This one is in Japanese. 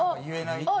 言えない？